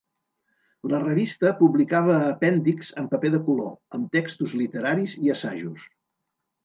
La revista publicava apèndixs en paper de color, amb textos literaris i assajos.